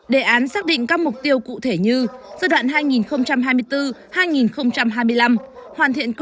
giai đoạn hai nghìn hai mươi bốn hai nghìn hai mươi năm hoàn thiện kế hoạch tổ chức biên chế đáp ứng yêu cầu xây dựng nhà trường thông minh hiện đại